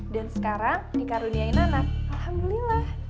dan sekarang dikaruniain anak alhamdulillah